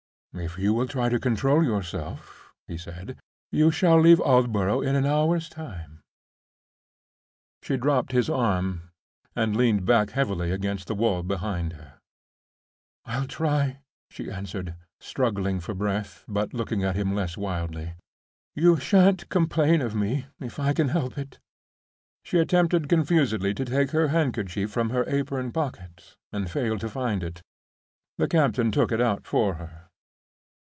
"If you will try to control yourself," he said, "you shall leave Aldborough in an hour's time." She dropped his arm, and leaned back heavily against the wall behind her. "I'll try," she answered, struggling for breath, but looking at him less wildly. "You shan't complain of me, if I can help it." She attempted confusedly to take her handkerchief from her apron pocket, and failed to find it. The captain took it out for her.